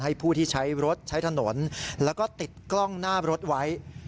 ผู้ที่ใช้รถใช้ถนนแล้วก็ติดกล้องหน้ารถไว้